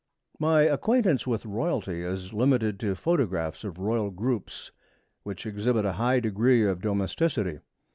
My acquaintance with royalty is limited to photographs of royal groups, which exhibit a high degree of domesticity.